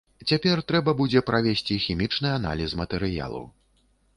Цяпер трэба будзе правесці хімічны аналіз матэрыялу.